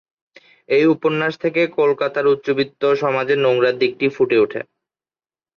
এই উপন্যাস থেকে কলকাতার উচ্চবিত্ত সমাজের নোংরা দিকটি ফুটে ওঠে।